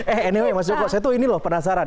eh nmb mas joko saya tuh ini loh penasaran